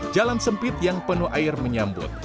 jalan sempit yang penuh air menyambut